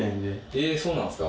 えっそうなんですか？